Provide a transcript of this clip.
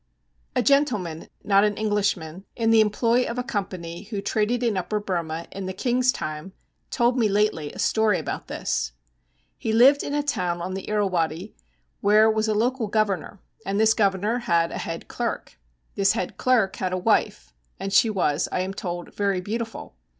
A gentleman not an Englishman in the employ of a company who traded in Upper Burma in the king's time told me lately a story about this. He lived in a town on the Irrawaddy, where was a local governor, and this governor had a head clerk. This head clerk had a wife, and she was, I am told, very beautiful.